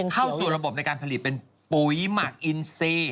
เข้าสู่ระบบในการผลิตเป็นปุ๋ยหมักอินซี